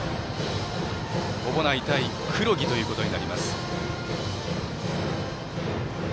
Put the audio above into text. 小保内対黒木ということになります。